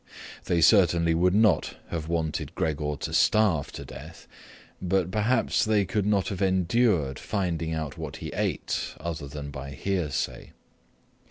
They certainly would not have wanted Gregor to starve to death, but perhaps they could not have endured finding out what he ate other than by hearsay.